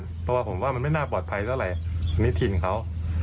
เพราะว่าผมว่ามันไม่น่าปลอดภัยเท่าไหร่นิทินเขา